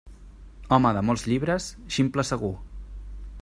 Home de molts llibres, ximple segur.